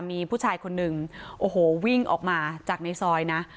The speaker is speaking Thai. มีผู้ชายคนหนึ่งโอ้โหวิ่งออกมาจากในซอยนะ